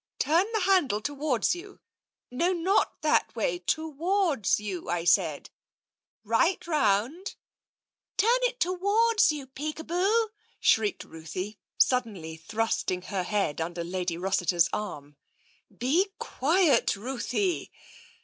Turn the handle towards you — no, not that way, towards you, I said — right round "" Turn it towards you. Peekaboo !" shrieked Ruthie, suddenly thrusting her head under Lady Rossiter*s arm. " Be quiet, Ruthie.